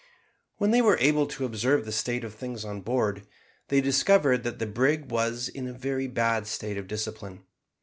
When they were able to observe the state of things on board they discovered that the brig was in a very bad state of discipline.